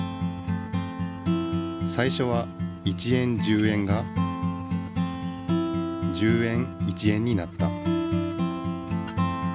最初は１円・１０円が１０円・１円になった。